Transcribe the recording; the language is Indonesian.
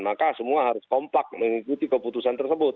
maka semua harus kompak mengikuti keputusan tersebut